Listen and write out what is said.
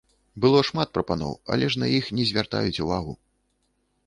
Было шмат прапаноў, але ж на іх не звяртаюць увагу.